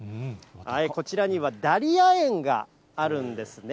こちらにはダリア園があるんですね。